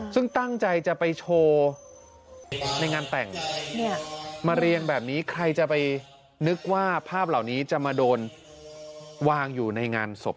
ซึ่งตั้งใจจะไปโชว์ในงานแต่งมาเรียงแบบนี้ใครจะไปนึกว่าภาพเหล่านี้จะมาโดนวางอยู่ในงานศพ